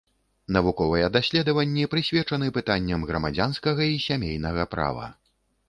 Навуковыя даследванні прысвечаны пытанням грамадзянскага і сямейнага права.